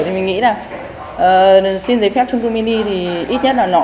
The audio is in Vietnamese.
thì mình nghĩ là xin giấy phép trung cư mini thì ít nhất là nó